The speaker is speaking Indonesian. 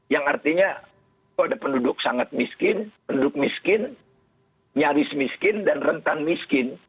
yang artinya kalau ada penduduk sangat miskin penduduk miskin nyaris miskin dan rentan miskin